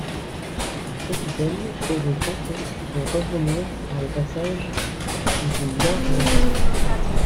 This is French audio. Le capitaine aurait tenté de revenir par le passage du Nord-Ouest.